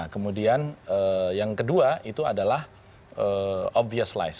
kemudian yang kedua itu adalah obvious lies